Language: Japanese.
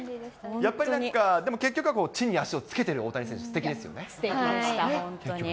やっぱり、結局、地に足をつけてる大谷選手、すてきでしたね。